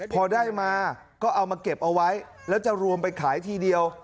พอได้มาก็เอามาเก็บเอาไว้แล้วจะรวมไปขายทีเดียว